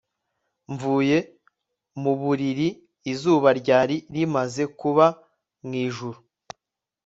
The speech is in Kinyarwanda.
Mvuye mu buriri izuba ryari rimaze kuba mwijuru